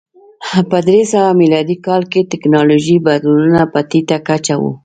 په درې سوه میلادي کال کې ټکنالوژیکي بدلونونه په ټیټه کچه و.